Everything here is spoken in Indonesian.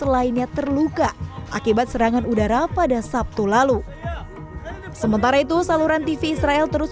tiga ribu tujuh ratus lainnya terluka akibat serangan udara pada sabtu lalu sementara itu saluran tv israel terus